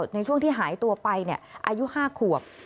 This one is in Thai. ในช่วงที่หายตัวไปอายุ๕ขวบ